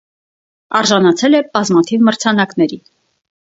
Արժանացել է բազմաթիվ մրցանակների։